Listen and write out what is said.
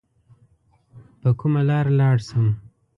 په کومه لار لاړ سم؟